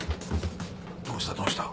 どうしたどうした？